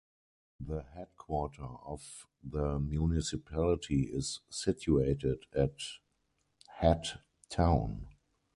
The headquarter of the municipality is situated at Hat town.